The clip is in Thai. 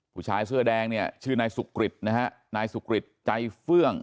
ผู้ชายเสื้อแดงเนี่ยชื่อนายสุกริตนะฮะนายสุกริตใจเฟื่อง